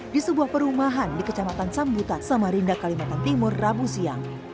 di sebuah perumahan di kecamatan sambutan samarinda kalimantan timur rabu siang